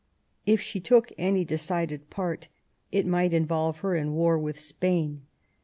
If she took any decided part it might involve her in war with Spain.